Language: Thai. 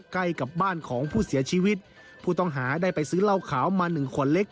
ใกล้กับบ้านของผู้เสียชีวิตผู้ต้องหาได้ไปซื้อเหล้าขาวมาหนึ่งขวดเล็ก